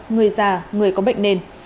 người già người có bệnh nền